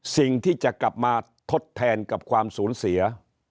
สิ่งที่จะกลับมาทดแทนกับความสูญเสีย